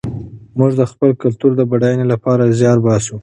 موږ د خپل کلتور د بډاینې لپاره زیار باسو.